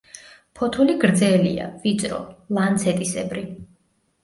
ფოთოლი გრძელია, ვიწრო, ლანცეტისებრი.